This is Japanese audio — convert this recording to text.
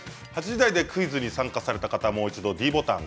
８時台でクイズに参加した方はもう一度ｄボタン。